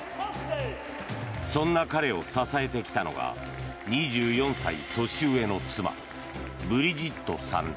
そんな彼を支えてきたのが２４歳年上の妻ブリジットさんだ。